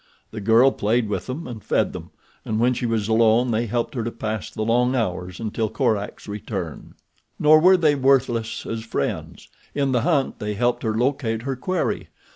The girl played with them and fed them, and when she was alone they helped her to pass the long hours until Korak's return. Nor were they worthless as friends. In the hunt they helped her locate her quarry.